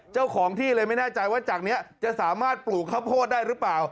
เจ้าของที่เลยไม่แน่ใจว่าจากนี้จะสามารถปลูกข้าวโพดได้หรือเปล่า